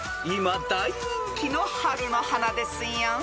［今大人気の春の花ですよ］